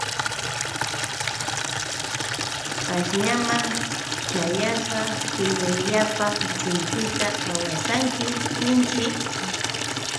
Pashñaman ćhayasa: Kuyayllapaq chumpita awasanki, ninshi.